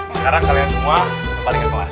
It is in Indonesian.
sekarang kalian semua kebalikkan kelas